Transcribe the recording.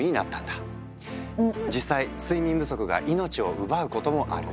実際睡眠不足が命を奪うこともある。